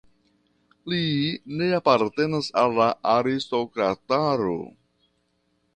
Li ne apartenas al la aristokrataro.